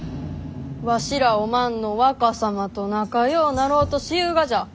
わしらおまんの若様と仲ようなろうとしゆうがじゃ。